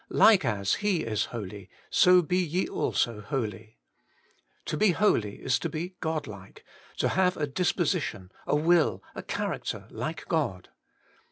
'Like as He is holy, so be ye also holy.' To be holy is to be Godlike, to have a disposition, a will, a character like God.